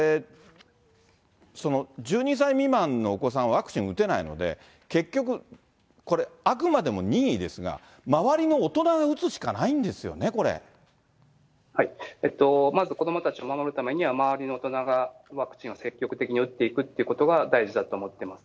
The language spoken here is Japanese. １２歳未満のお子さんはワクチン打てないので、結局、これ、あくまでも任意ですが、周りの大人が打つしかないんですよね、まず、子どもたちを守るためには、周りの大人がワクチンを積極的に打っていくということが大事だと思ってます。